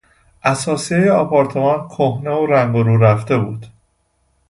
اثاثیهی آپارتمان کهنه و رنگ و رو رفته بود.